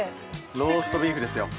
ローストビーフですよ。